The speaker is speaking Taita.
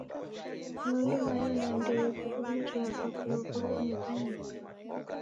Loli mayo na ndeyo w'irumiriagha kulow'olo ni w'anyika?